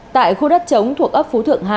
tại khu đất trống thuộc ấp phú thượng hai